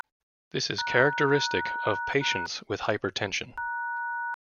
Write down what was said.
This is characteristic of patients with hypertension.